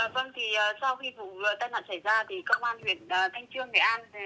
vâng thì sau khi vụ tai nạn xảy ra thì công an huyện thanh trương nghệ an